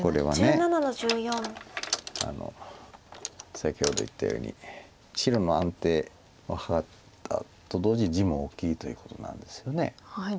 先ほど言ったように白の安定を図ったと同時に地も大きいということなんですよね。